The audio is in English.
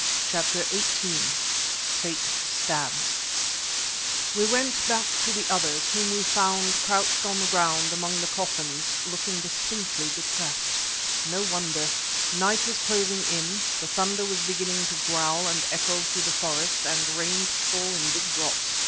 CHAPTER XVIII FATE STABS We went back to the others whom we found crouched on the ground among the coffins, looking distinctly depressed. No wonder; night was closing in, the thunder was beginning to growl and echo through the forest and rain to fall in big drops.